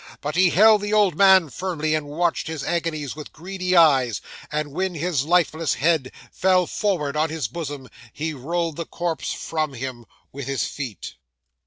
But he held the old man firmly, and watched his agonies with greedy eyes; and when his lifeless head fell forward on his bosom, he rolled the corpse from him with his feet.